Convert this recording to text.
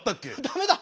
ダメだ！